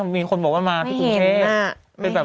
มีคนบอกว่ามาที่กรุงเทพ